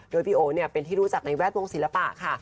โดยพี่โอ๋เป็นที่รู้จักในแวดวงศิลปะค่ะ